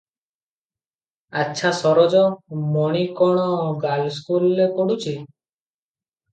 ଆଚ୍ଛା ସରୋଜ, ମଣି କଣ ଗାର୍ଲସ୍କୁଲରେ ପଢ଼ୁଛି?"